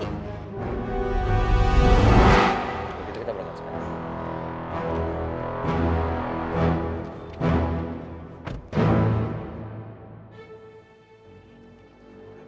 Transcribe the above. kita berangkat sekarang